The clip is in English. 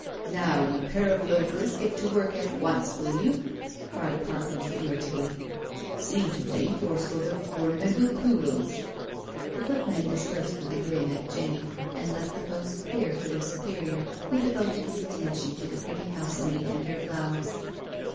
•• Now, you pair of loafers, get to work at once, will you I" cried Parkins irritably. "Seem to think you're sort of ornamental poodles." The footmen dispersed with a grin at Jenny, and left the coast clear for their superior, who devoted his attention to the pretty housemaid and her flowers.